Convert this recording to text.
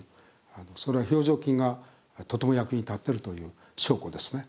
それは表情筋がとても役に立ってるという証拠ですね。